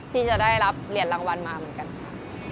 ที่จะได้รับเหรียญรางวัลมาเหมือนกันค่ะ